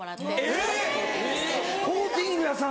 えっコーティング屋さん？